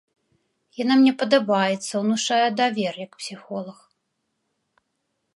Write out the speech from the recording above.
Яна мне падабаецца, унушае давер, як псіхолаг.